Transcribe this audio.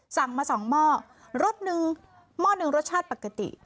สั่งมาสองหม้อรสหนึ่งหม้อหนึ่งรสชาติปกติ